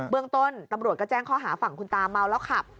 เมืองต้นตำรวจก็แจ้งข้อหาฝั่งคุณตาเมาแล้วขับ